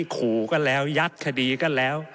ขู่ก็แล้วยัดคดีก็แล้ว